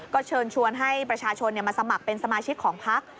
ก็เชิญชวนให้ประชาชนมาสมัครเป็นสมาชิกของพัก